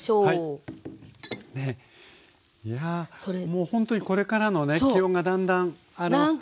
もうほんとにこれからのね気温がだんだん高くなってくるね。